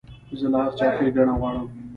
زه له هر چا ښېګڼه غواړم.